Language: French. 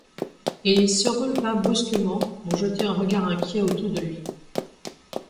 Et il se releva brusquement pour jeter un regard inquiet autour de lui.